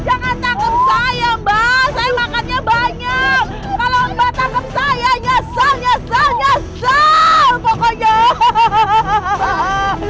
jangan takut saya mbak saya makannya banyak kalau mbak tangkap saya nyesel nyesel pokoknya hahaha